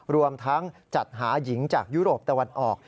รวมทั้งจัดหาหญิงจากยุโรปตะวันออก